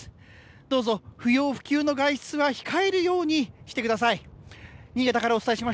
どうぞ不要不急の外出は控えるようにしてください。